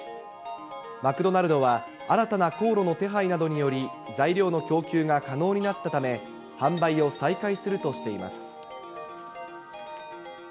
マクドナルドは、新たな航路の手配などにより、材料の供給が可能になったため、販売を再開するとしています。